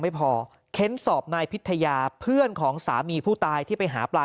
ไม่พอเค้นสอบนายพิทยาเพื่อนของสามีผู้ตายที่ไปหาปลา